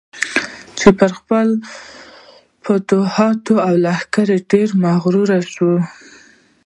چې پر خپلو فتوحاتو او لښکرو ډېر مغرور شو.